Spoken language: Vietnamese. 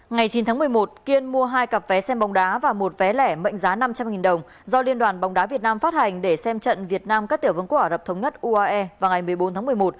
ngày chín tháng một mươi một kiên mua hai cặp vé xem bóng đá và một vé lẻ mệnh giá năm trăm linh đồng do liên đoàn bóng đá việt nam phát hành để xem trận việt nam các tiểu vương quả ả rập thống nhất uae vào ngày một mươi bốn tháng một mươi một